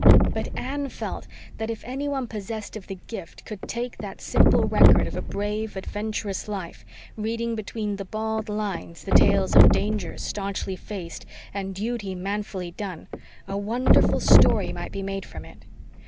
But Anne felt that if anyone possessed of the gift could take that simple record of a brave, adventurous life, reading between the bald lines the tales of dangers staunchly faced and duty manfully done, a wonderful story might be made from it.